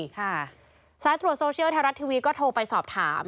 ค่ะซ้ายตัวโซเชียลแท้รัฐทีวีก็โทรไปสอบถาม